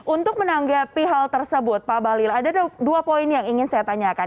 untuk menanggapi hal tersebut pak balil ada dua poin yang ingin saya tanyakan